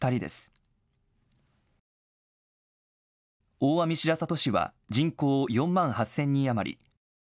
大網白里市は人口４万８０００人余り。